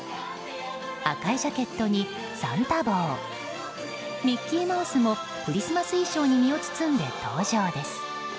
赤いジャケットにサンタ帽ミッキーマウスもクリスマス衣装に身を包んで登場です。